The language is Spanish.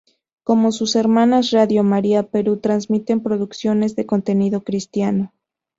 Como sus hermanas, Radio María Perú transmite producciones de contenido cristiano.